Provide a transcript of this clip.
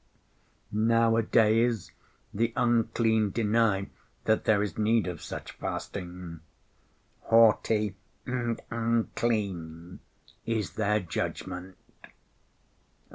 Nowadays the unclean deny that there is need of such fasting. Haughty and unclean is their judgment."